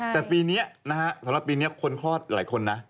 แต่ปีนี้นะฮะสำหรับปีนี้คนคลอดหลายคนนะ